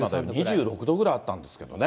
２６度ぐらいあったんですけどね。